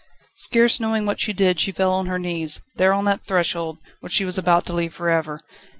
Scarce knowing what she did, she fell on her knees, there on that threshold, which she was about to leave for ever.